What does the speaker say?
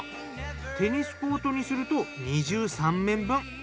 テニスコートにすると２３面分。